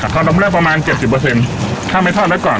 คอดน้ำแล้วประมาณเก็บสิบเปอร์เซ็นต์ถ้าไม่ทอดด้วยก่อน